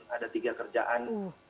ada tiga kerjaan